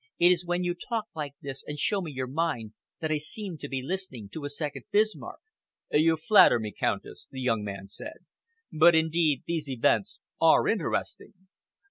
"It is when you talk like this and show me your mind that I seem to be listening to a second Bismarck." "You flatter me, Countess," the young man said, "but indeed these events are interesting.